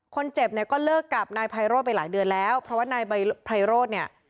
คนเจ็บเนี่ยก็เลิกกับนายไพโรธไปหลายเดือนแล้วเพราะว่านายไพโรธเนี่ย